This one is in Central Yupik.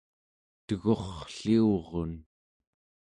tegurrliurun